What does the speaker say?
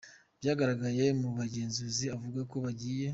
byagaragaye mu bugenzuzi avuga ko bagiye.